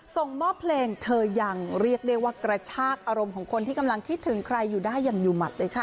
ส่งมอบเพลงเธอยังเรียกได้ว่ากระชากอารมณ์ของคนที่กำลังคิดถึงใครอยู่ได้อย่างอยู่หมัดเลยค่ะ